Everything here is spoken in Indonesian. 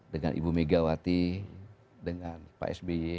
dengan ibu megawati dengan pak sby